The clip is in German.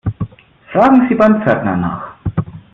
Fragen Sie beim Pförtner nach.